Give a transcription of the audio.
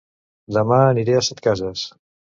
Dema aniré a Setcases